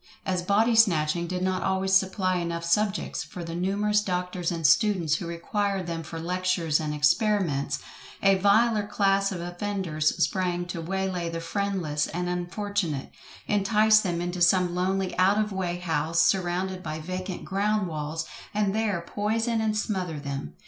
As body snatching did not always supply enough subjects for the numerous doctors and students who required them for lectures and experiments, a viler class of offenders sprang to way lay the friendless and unfortunate, entice them into some lonely out of way house surrounded by vacant ground walls, and there poison and smother them.